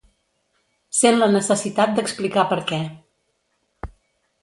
Sent la necessitat d'explicar per què.